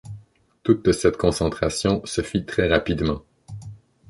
Toute cette concentration se fit très rapidement.